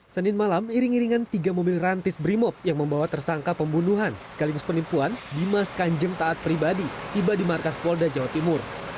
senin malam iring iringan tiga mobil rantis brimob yang membawa tersangka pembunuhan sekaligus penipuan dimas kanjeng taat pribadi tiba di markas polda jawa timur